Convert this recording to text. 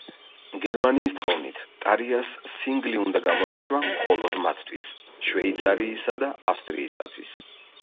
გერმანიის თხოვნით, ტარიას სინგლი უნდა გამოეშვა მხოლოდ მათთვის, შვეიცარიისა და ავსტრიისათვის.